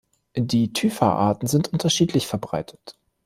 Die "Typha"-Arten sind unterschiedlich verbreitet.